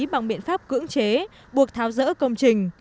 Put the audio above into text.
bằng biện pháp cưỡng chế buộc tháo rỡ công trình